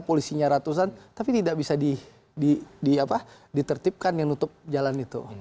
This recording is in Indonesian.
polisinya ratusan tapi tidak bisa ditertibkan yang nutup jalan itu